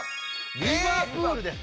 リバプールです